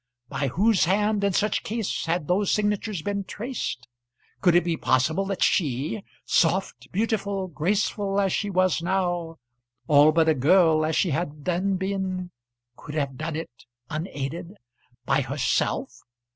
By whose hand in such case had those signatures been traced? Could it be possible that she, soft, beautiful, graceful as she was now, all but a girl as she had then been, could have done it, unaided, by herself?